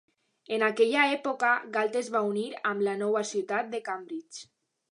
En aquella època, Galt es va unir amb la nova ciutat de Cambridge.